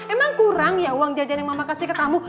emang kurang ya uang jajan yang mama kasih ke tamu